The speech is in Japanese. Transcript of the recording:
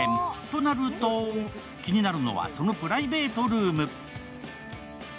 となると気になるのはそのプライベートルーム。